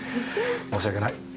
申し訳ない。